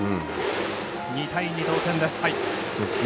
２対２、同点です。